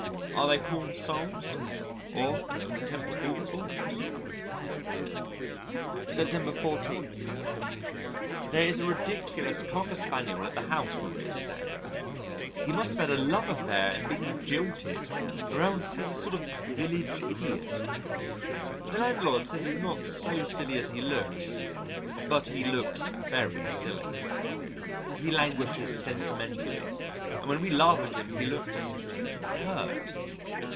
Are they poor souls? or contemptible fools? September 14. There is a ridiculous Cocker spaniel at the house where we are staying. He must have had a love affair and been jilted, or else he's a sort of village idiot. The landlady says he's not so silly as he looks but he looks very silly: he languishes sentimentally, and when we laugh at him he looks "hurt."